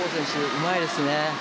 うまいですね。